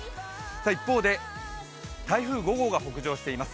一方で台風５号が北上しています。